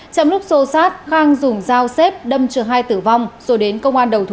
trong lúc xô sát khang dùng dao xếp đâm trường hai tử vong rồi đến công an đầu thú